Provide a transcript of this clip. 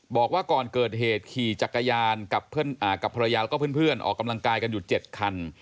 บอกว่าก่อนเกิดเหตุขี่จักรยานกับภรรยาแล้วก็เพื่อนออกกำลังกายกันอยู่๗คัน